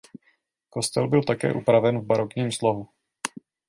Kostel byl také upraven v barokním slohu.